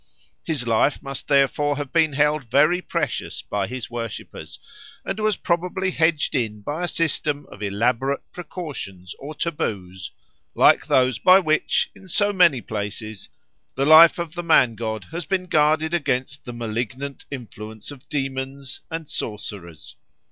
His life must therefore have been held very precious by his worshippers, and was probably hedged in by a system of elaborate precautions or taboos like those by which, in so many places, the life of the man god has been guarded against the malignant influence of demons and sorcerers.